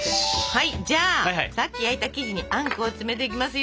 はいじゃあさっき焼いた生地にあんこを詰めていきますよ。